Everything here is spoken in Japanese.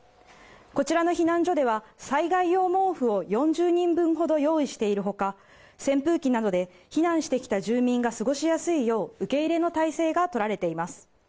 こちらの避難所では災害用毛布を４０人分ほど用意しているほか扇風機などで避難してきた住民が過ごしやすいよう受け入れの体制が取られています。